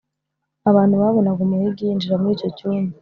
abantu babonaga umuhigi yinjira muri icyo cyumba